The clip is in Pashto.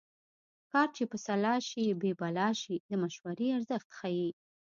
کار چې په سلا شي بې بلا شي د مشورې ارزښت ښيي